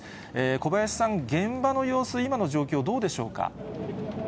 小林さん、現場の様子、今の状況、どうでしょうか。